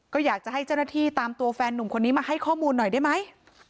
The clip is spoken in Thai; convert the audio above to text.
ก็อยากจะให้เจ้าหน้าที่ตามตัวแฟนนุ่มคนนี้มาให้ข้อมูลหน่อยได้ไหม